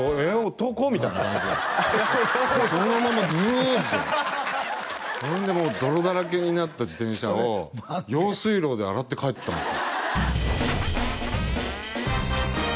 男？みたいな感じでそのままグーッとそんでもう泥だらけになった自転車を用水路で洗って帰ったんですよ